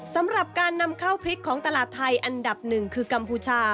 สำหรับการนำข้าวพริกของตลาดไทยอันดับหนึ่งคือกัมพูชา